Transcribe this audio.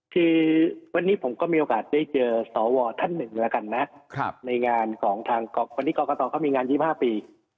คือวันนี้ผมก็มีโอกาสได้เจอสวท่านหนึ่งแล้วกันนะในงานของทางวันนี้กรกตเขามีงาน๒๕ปี